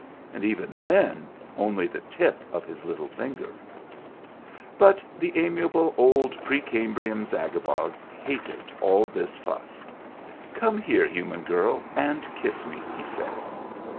And even then only the tip of his little finger !" But the amiable old pre Cambrian Zagabog hated all this fuss. " Come here, human girl, and kiss me !" he said.